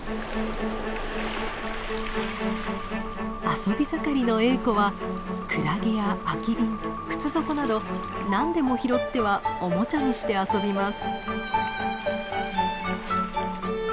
遊び盛りのエーコはクラゲや空き瓶靴底など何でも拾ってはおもちゃにして遊びます。